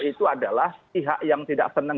itu adalah pihak yang tidak senang